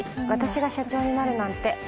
わたしが社長になるなんて。